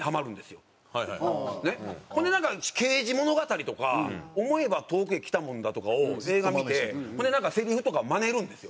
ほんでなんか『刑事物語』とか『思えば遠くへ来たもんだ』とかを映画見てほんでなんかせりふとかをマネるんですよ。